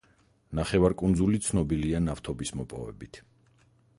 ნახევარკუნძული ცნობილია ნავთობის მოპოვებით.